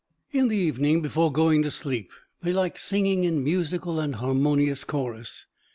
In the evening before going to sleep they liked singing in musical and harmonious chorus.